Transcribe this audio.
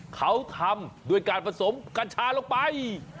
เขาทำด้วยการผสมกัญชาลงไป